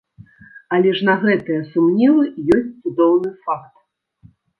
Але ж на гэтыя сумневы ёсць цудоўны факт!